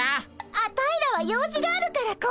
アタイらは用事があるからこれで。